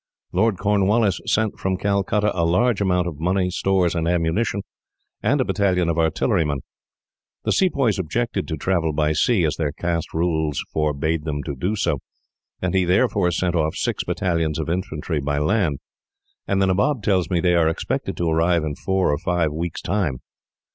Lord Cornwallis sent, from Calcutta, a large amount of money, stores, and ammunition, and a battalion of artillerymen. The Sepoys objected to travel by sea, as their caste rules forbade them to do so, and he therefore sent off six battalions of infantry by land, and the Nabob tells me they are expected to arrive in four or five weeks' time.